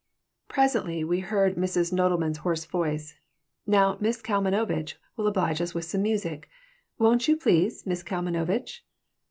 Presently we heard Mrs. Nodelman's hoarse voice: "Now Miss Kalmanovitch will oblige us with some music. Won't you, please, Miss Kalmanovitch?"